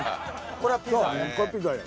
これはピザよ。